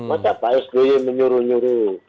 masa pak sby menyuruh nyuruh